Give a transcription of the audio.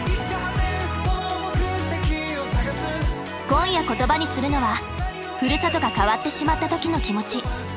今夜言葉にするのはふるさとが変わってしまった時の気持ち。